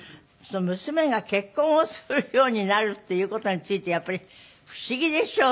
娘が結婚をするようになるっていう事についてやっぱり不思議でしょう？